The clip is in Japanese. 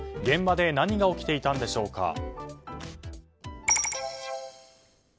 現場で何が起きていたんでしょうか。